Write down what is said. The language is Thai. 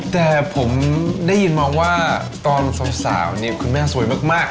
แต่ผมได้ยินมาว่าตอนสาวเนี่ยคุณแม่สวยมาก